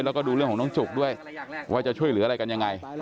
แล้วก็ดูเรื่องของน้องจุกด้วยว่าจะช่วยเหลืออะไรกันยังไง